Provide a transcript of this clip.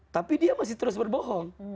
tapi dia masih terus berbohong